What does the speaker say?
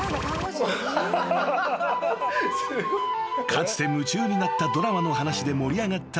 ［かつて夢中になったドラマの話で盛り上がった２人］